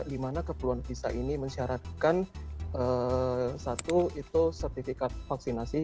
dimana keperluan visa ini mensyaratkan satu itu sertifikat vaksinasi